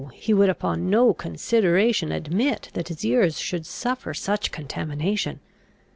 he would upon no consideration admit, that his ears should suffer such contamination.